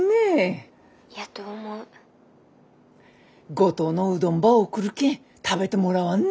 五島のうどんば送るけん食べてもらわんね。